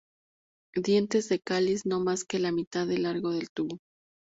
Dientes del cáliz no más que la mitad del largo del tubo.